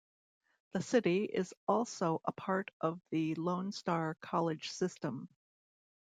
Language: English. The city is also a part of the Lone Star College System.